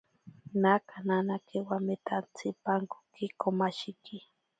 Naka nanake wametantsipankoki komashiki.